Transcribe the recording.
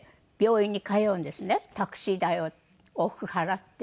タクシー代を往復払って。